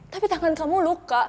tapi tangan kamu luka